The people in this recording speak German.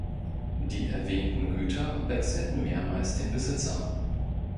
Die erwähnten Güter wechselten mehrmals den Besitzer.